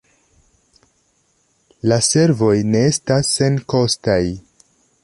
La servoj ne estas senkostaj.